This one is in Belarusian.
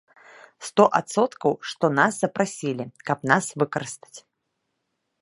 Сто адсоткаў, што нас запрасілі, каб нас выкарыстаць.